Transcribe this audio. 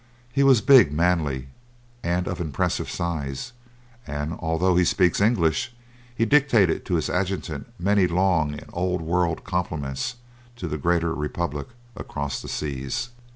He was big, manly, and of impressive size, and, although he speaks English, he dictated to his adjutant many long and Old World compliments to the Greater Republic across the seas.